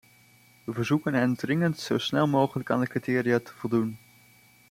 We verzoeken hen dringend zo snel mogelijk aan de criteria te voldoen.